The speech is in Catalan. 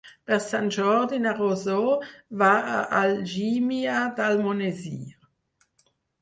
Per Sant Jordi na Rosó va a Algímia d'Almonesir.